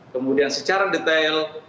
kemudian secara detail